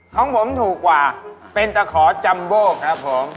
ของผมถูกกว่าเป็นตะขอจัมโบครับผม